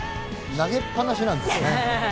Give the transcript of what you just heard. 投げっぱなしなんですよね。